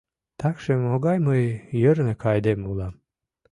Такшым могай мый йырнык айдеме улам.